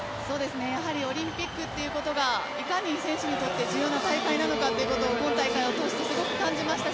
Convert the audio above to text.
やはりオリンピックということがいかに選手にとって重要な大会なのか今大会を通してすごく感じました。